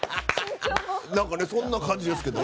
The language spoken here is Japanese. そんな感じですけどね。